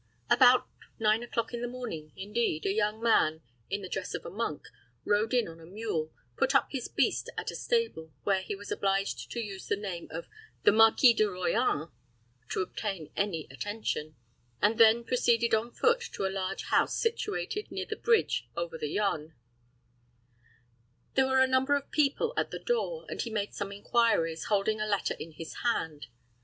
About nine o'clock in the morning, indeed, a young man, in the dress of a monk, rode in on a mule, put up his beast at a stable, where he was obliged to use the name of the Marquis De Royans to obtain any attention, and then proceeded on foot to a large house situated near the bridge over the Yonne. There were a number of people at the door, and he made some inquiries, holding a letter in his hand.